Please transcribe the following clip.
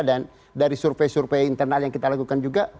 dan dari survei survei internal yang kita lakukan juga